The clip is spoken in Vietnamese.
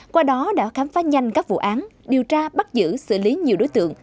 qua đó đã khám phá nhanh các vụ án điều tra bắt giữ xử lý nhiều đối tượng